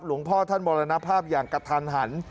หลวงพ่อท่านมรณภาพอย่างกระทันหัน